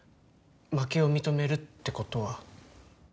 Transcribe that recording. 負けを認めるってことは。